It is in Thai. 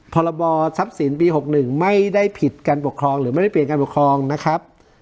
พรบทรัพย์สินปี๖๑ไม่ได้ผิดการปกครองหรือไม่ได้เปลี่ยนการปกครองนะครับ